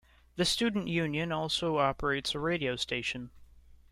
The student union also operates a radio station.